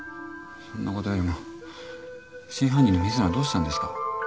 そんな事よりも真犯人の水野はどうしたんですか？